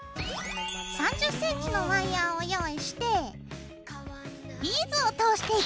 ３０ｃｍのワイヤーを用意してビーズを通していきます。